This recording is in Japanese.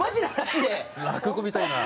落語みたいな。